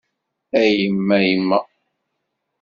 A yemma yemma.